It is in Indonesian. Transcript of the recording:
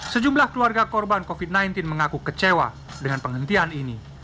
sejumlah keluarga korban covid sembilan belas mengaku kecewa dengan penghentian ini